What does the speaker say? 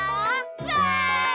わい！